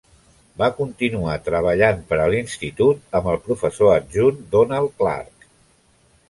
Va continuar treballant per a l'Institut amb el professor adjunt Donald Clark.